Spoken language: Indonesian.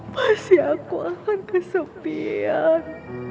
pasti aku akan kesepian